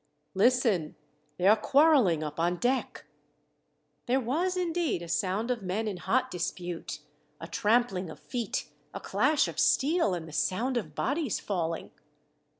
"Listen, they are quarrelling up on deck!" There was indeed a sound of men in hot dispute, a trampling of feet, a clash of steel, and the sound of bodies falling.